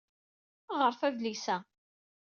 Ɣṛet adlis-a.